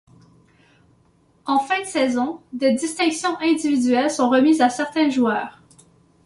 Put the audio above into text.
En fin de saison, des distinctions individuelles sont remises à certains joueurs.